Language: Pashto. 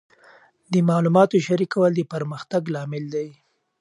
د معلوماتو شریکول د پرمختګ لامل دی.